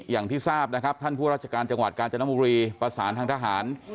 อย่างที่ทราบนะครับท่านผู้ราชการจังหวัดกาญจนบุรีประสานทางทหาร